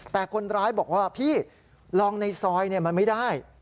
แต่คนร้ายบอกว่าพี่ลองในซอยมันไม่ได้